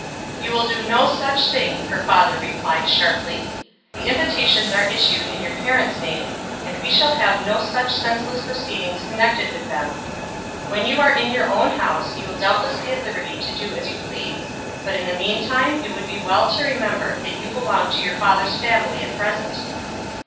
"You will do no such thing," her father replied sharply. "The invitations are issued in your parents' names, and we shall have no such senseless proceedings connected with them When you are in your own house you will doubtless be at liberty to do as you please; but in the meantime it would be well to remember that you belong to your father's family at present."